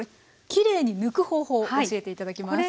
きれいに抜く方法を教えて頂きます。